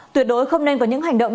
tuyệt đối không nên có những hành động